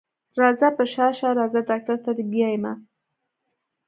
راځه په شا شه راځه ډاکټر ته دې بيايمه.